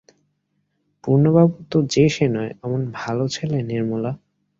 পূর্ণবাবু তো যে-সে নয়, অমন ভালো ছেলে– নির্মলা।